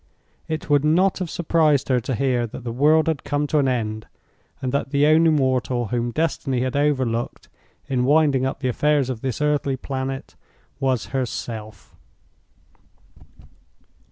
It would not have surprised her to hear that the world had come to an end, and that the only mortal whom Destiny had overlooked, in winding up the affairs of this earthly planet, was herself!